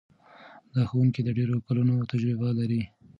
دا ښوونکی د ډېرو کلونو تجربه لري.